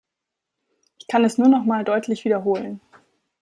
Ich kann es nur noch mal deutlich wiederholen.